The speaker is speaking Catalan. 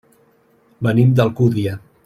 Venim d'Alcúdia.